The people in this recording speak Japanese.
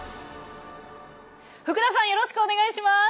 福田さんよろしくお願いします。